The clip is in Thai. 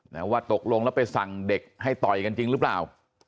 ว่าตกลงแล้วไปสั่งเด็กให้ต่อยกันจริงหรือเปล่า